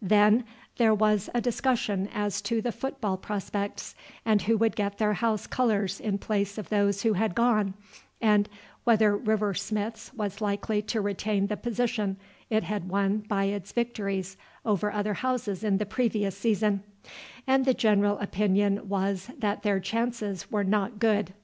Then there was a discussion as to the football prospects and who would get their house colours in place of those who had gone, and whether River Smith's was likely to retain the position it had won by its victories over other houses in the previous season; and the general opinion was that their chances were not good.